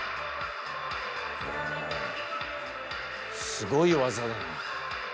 すごい技だな。